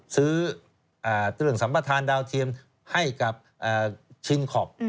ซื้อเตือนสัมปทานดาวเทียมให้กับชิงขอบ